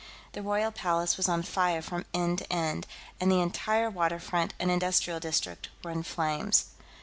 The Royal Palace was on fire from end to end, and the entire waterfront and industrial district were in flames.